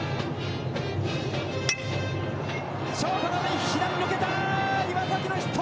ショートの左に抜けた！